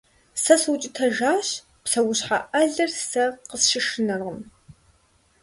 Сэ сыукӀытэжащ: псэущхьэ Ӏэлыр сэ къысщышынэркъым.